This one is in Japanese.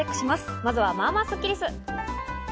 まずは、まあまあスッキりす。